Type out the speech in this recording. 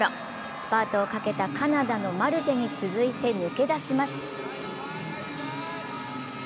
スパートをかけたカナダのマルテに続いて抜け出します。